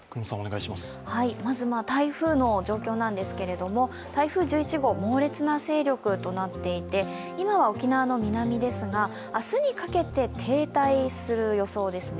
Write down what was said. まず台風の状況なんですけれども台風１１号、猛烈な勢力となっていて今は沖縄の南ですが、明日にかけて停滞する予想です。